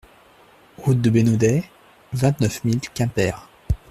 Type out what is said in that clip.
Route de Bénodet, vingt-neuf mille Quimper